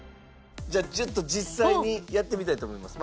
じゃあちょっと実際にやってみたいと思います。